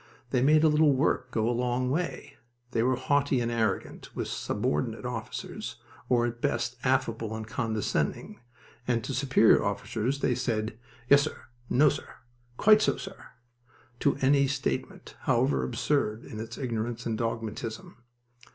They made a little work go a long way. They were haughty and arrogant with subordinate officers, or at the best affable and condescending, and to superior officers they said, "Yes, sir," "No, sir," "Quite so, sir," to any statement, however absurd in its ignorance and dogmatism.